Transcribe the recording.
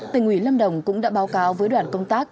tỉnh ủy lâm đồng cũng đã báo cáo với đoàn công tác